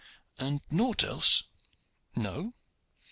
"And naught else?" "No."